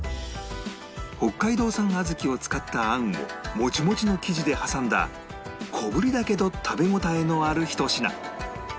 北海道産あずきを使ったあんをモチモチの生地で挟んだ小ぶりだけど食べ応えのあるひと品